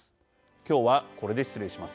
今日は、これで失礼します。